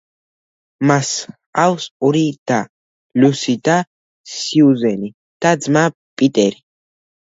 მას ჰყავს ორი და: ლუსი და სიუზენი და ძმა პიტერი.